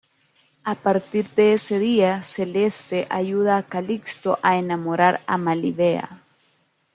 A partir de ese día, Celeste ayuda a Calixto a enamorar a Melibea.